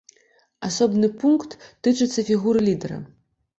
Асобны пункт тычыцца фігуры лідара.